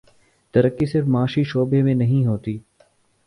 ترقی صرف معاشی شعبے میں نہیں ہوتی۔